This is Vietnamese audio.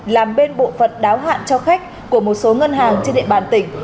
làm bên bộ phận đáo hạn cho khách của một số ngân hàng trên địa bàn tỉnh